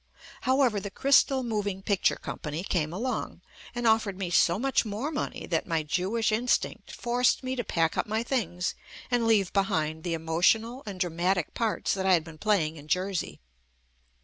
However, the Crystal Moving Picture Company came along and of fered me so much more money that my Jewish JUST ME instinct forced me to pack up my things and leave behind the emotional and dramatic parts that I had been playing in Jersey.